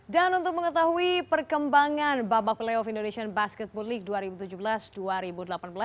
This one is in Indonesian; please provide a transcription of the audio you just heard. dan untuk mengetahui perkembangan babak playoff indonesian basketball league dua ribu tujuh belas dua ribu delapan belas